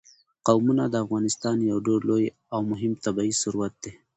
قومونه د افغانستان یو ډېر لوی او مهم طبعي ثروت دی.